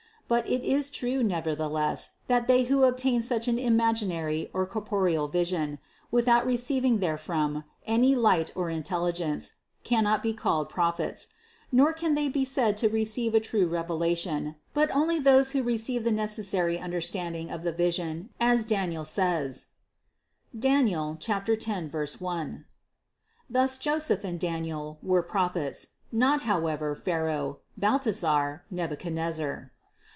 But it is true nevertheless, that they who obtain such an imaginary or corporeal vision, without receiving there from any light or intelligence, cannot be called Prophets ; nor can they be said to receive a true revelation, but only those who receive the necessary understanding of the vision, as Daniel says (Dan. 10, 1). Thus Joseph and Daniel were Prophets, not however Pharao, Baltassar, Nabuchodonosor.